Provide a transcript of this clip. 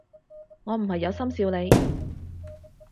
我唔係有心笑你